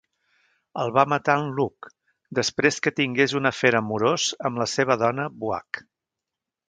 El va matar en Lugh després que tingués un afer amorós amb la seva dona Buach.